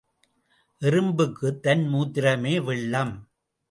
எறும்புக்குத் தன் மூத்திரமே வெள்ளம்.